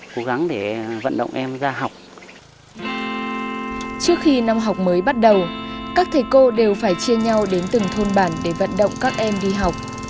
trước khi năm học mới bắt đầu các thầy cô đều phải chia nhau đến từng thôn bản để vận động các em đi học